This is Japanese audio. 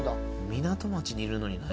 港町にいるのにな